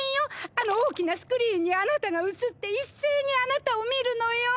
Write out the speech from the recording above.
あの大きなスクリーンにあなたが映って一斉にあなたを見るのよ。